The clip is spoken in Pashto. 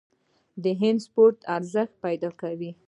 د هند پاسپورت ارزښت پیدا کوي.